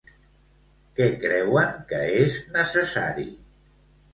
Què creuen que és necessari?